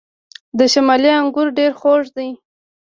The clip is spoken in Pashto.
د شمالی انګور ډیر خوږ دي.